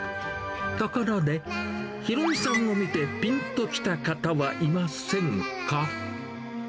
ところで、ひろみさんを見てぴんときた方はいませんか？